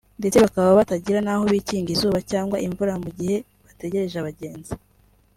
ndetse bakaba batagira n’ aho bikinga izuba cyangwa imvura mu gihe bategereje abagenzi